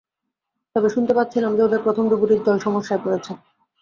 তবে শুনতে পাচ্ছিলাম যে ওদের প্রথম ডুবুরির দল সমস্যায় পড়েছে।